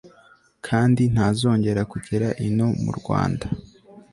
kandi ntazongera kugera ino murwanda